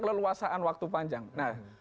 leluasaan waktu panjang nah